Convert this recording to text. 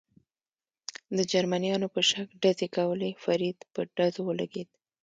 د جرمنیانو په شک ډزې کولې، فرید په ډزو ولګېد.